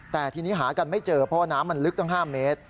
แต่ทีนี้หากันไม่เจอเพราะว่าน้ำมันลึกตั้ง๕เมตร